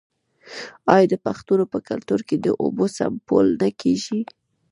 آیا د پښتنو په کلتور کې د اوبو سپمول نه کیږي؟